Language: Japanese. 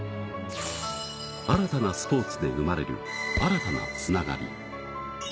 新たなスポーツで生まれる新たなつながり。